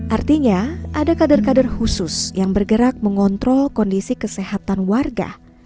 artinya ada kader kader khusus yang bergerak mengontrol kondisi kesehatan warga